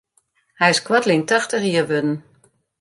Hy is koartlyn tachtich jier wurden.